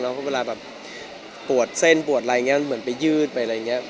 เพราะเวลาแบบปวดเส้นปวดอะไรอย่างนี้เหมือนไปยืดไปอะไรอย่างนี้